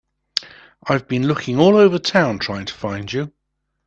I've been looking all over town trying to find you.